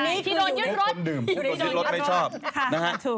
อันนี้คืออยู่ในคนดื่ม